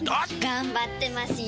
頑張ってますよ！